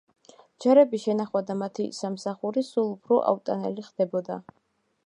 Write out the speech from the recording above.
ჯარების შენახვა და მათი სამსახური სულ უფრო აუტანელი ხდებოდა.